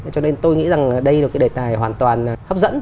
cho nên tôi nghĩ rằng đây là cái đề tài hoàn toàn hấp dẫn